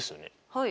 はい。